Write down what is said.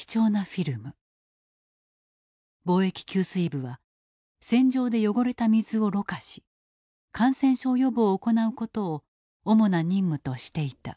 防疫給水部は戦場で汚れた水をろ過し感染症予防を行うことを主な任務としていた。